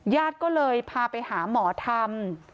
ญาติก็เลยพาไปหาหมอธรรม